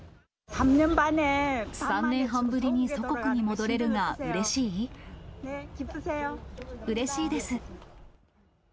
３年半ぶりに祖国に戻れるが、うれしいです。